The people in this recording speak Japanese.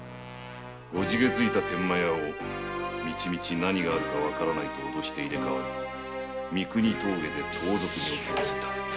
怖気づいた天満屋を「何があるかわからない」と脅して入れ代わり三国峠で盗賊に襲わせた。